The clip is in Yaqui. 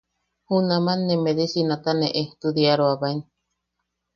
Junaman ne medicinata ne ejtudiaroabaen.